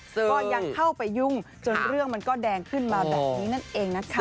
ก็ยังเข้าไปยุ่งจนเรื่องมันก็แดงขึ้นมาแบบนี้นั่นเองนะคะ